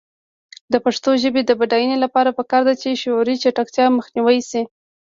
د پښتو ژبې د بډاینې لپاره پکار ده چې شعوري چټکتیا مخنیوی شي.